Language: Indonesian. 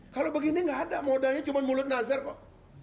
kalau begini nggak ada modalnya cuma mulut nazar kok